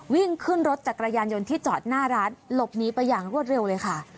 วิ่งขึ้นรถจักรยานยนต์ที่จอดหน้าร้านหลบหนีไปอย่างรวดเร็วเลยค่ะ